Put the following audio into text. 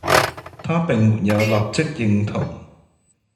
她並沒有立即認同